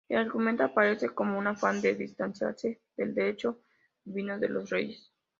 El argumento aparecería como un afán de distanciarse del derecho divino de los reyes.